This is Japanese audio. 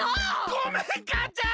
ごめんかあちゃん！